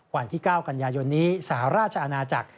วันที่๙กันยายนนี้สหราชอาณาจักร